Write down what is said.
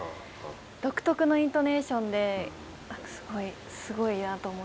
独特のイントネーションですごいすごいなと思って。